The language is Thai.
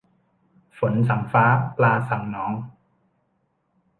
ฝนสั่งฟ้า ปลาสั่งหนอง